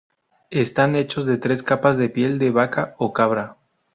Están hechos de tres capas de piel de vaca o cabra.